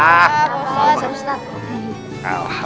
waalaikumsalam warahmatullah ustaz